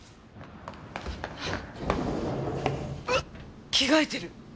うわっ着替えてる。